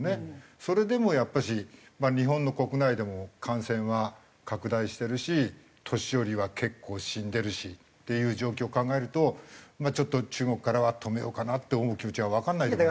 それでもやっぱし日本の国内でも感染は拡大してるし年寄りは結構死んでるしっていう状況を考えるとちょっと中国からは止めようかなって思う気持ちはわかんないでもない。